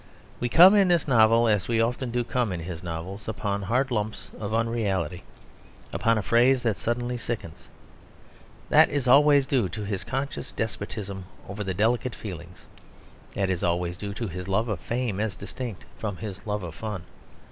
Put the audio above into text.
We come in this novel, as we often do come in his novels, upon hard lumps of unreality, upon a phrase that suddenly sickens. That is always due to his conscious despotism over the delicate feelings; that is always due to his love of fame as distinct from his love of fun.